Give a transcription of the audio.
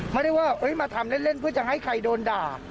ไม่ได้ว่ามาทำเล่นเพื่อจะให้ใครโดนด่า